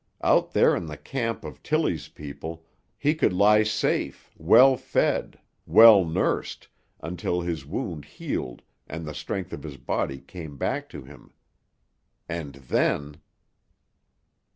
Out there in the camp of Tillie's people he could lie safe, well fed, well nursed, until his wound healed and the strength of his body came back to him. And then....